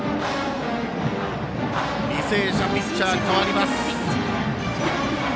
履正社、ピッチャー代わります。